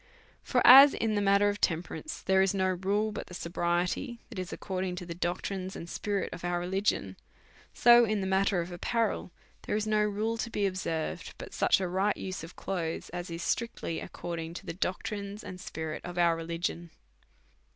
For as, in the matter of temperance, there is no rule but the sobriety that is according to the doctrines and spirit of our religion ; so in the matter of apparel, there is no rule to be observed but such a right use of clothes as is strictly according to the doctrines and spirit of our religion.